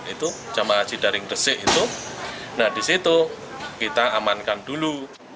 itu jamaah haji daring gresik itu nah di situ kita amankan dulu